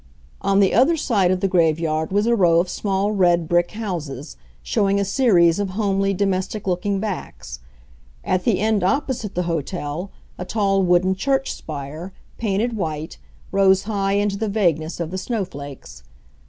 On the other side of the grave yard was a row of small red brick houses, showing a series of homely, domestic looking backs; at the end opposite the hotel a tall wooden church spire, painted white, rose high into the vagueness of the snow flakes.